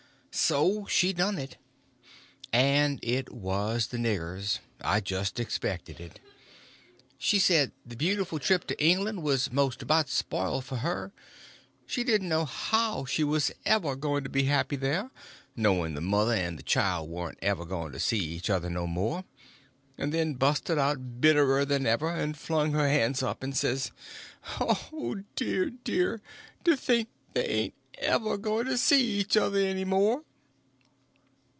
So she done it. And it was the niggers—I just expected it. She said the beautiful trip to England was most about spoiled for her; she didn't know how she was ever going to be happy there, knowing the mother and the children warn't ever going to see each other no more—and then busted out bitterer than ever, and flung up her hands, and says: "Oh, dear, dear, to think they ain't ever going to see each other any more!"